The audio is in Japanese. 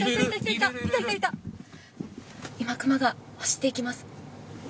今、熊が走っていきます。